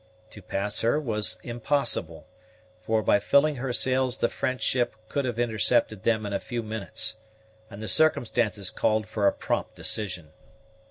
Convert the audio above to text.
To pass her was impossible, for by filling her sails the French ship could have intercepted them in a few minutes; and the circumstances called for a prompt decision.